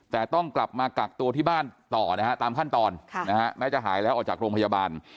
แต่ต้องกลับมากักตัวที่บ้านต่อนะฮะตามขั้นตอนแม้จะหายแล้วออกจากโรงพยาบาล